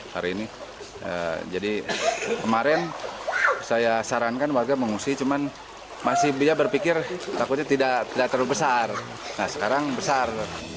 hari ini jadi kemarin saya sarankan warga mengungsi cuman masih dia berpikir takutnya tidak terlalu besar nah sekarang besar